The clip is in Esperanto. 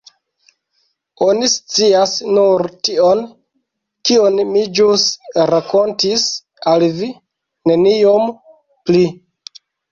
Oni scias nur tion, kion mi ĵus rakontis al vi, neniom pli.